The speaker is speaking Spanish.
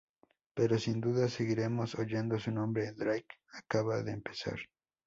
Pero sin duda seguiremos oyendo su nombre, Drake acaba de empezar".